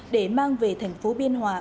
để mang về thành phố biên hòa